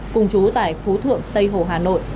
cùng chú tại phú thượng tây hồ hà nội